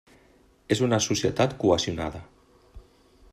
És una societat cohesionada.